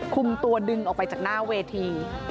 คุมตัวดึงออกไปจากหน้าเวที